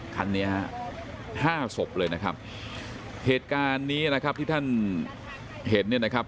คันนี้ฮะห้าศพเลยนะครับเหตุการณ์นี้นะครับที่ท่านเห็นเนี่ยนะครับ